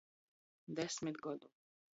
Desmit godu!